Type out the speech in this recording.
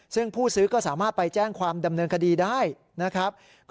ซึ่งผู้ซื้อก็สามารถไปแจ้งความดำเนินคดีได้นะครับ